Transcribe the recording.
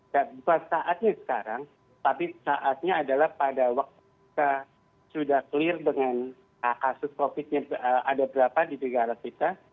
dapat saatnya sekarang tapi saatnya adalah pada waktu kita sudah clear dengan kasus covid nya ada berapa di negara kita